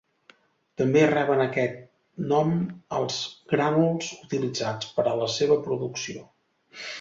També reben aquest nom els grànuls utilitzats per a la seva producció.